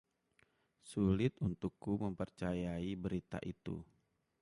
Sulit untukku mempercayai berita itu.